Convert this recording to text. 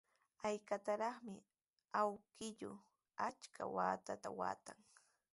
Hallqatrawmi awkilluu achka waakata waatan.